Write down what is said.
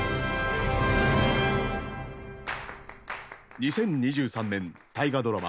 ２０２３年大河ドラマ